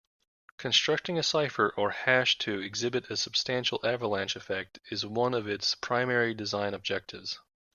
Constructing a cipher or hash to exhibit a substantial avalanche effect is one of its primary design objectives.